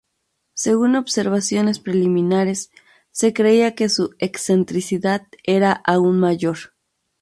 Según observaciones preliminares se creía que su excentricidad era aún mayor.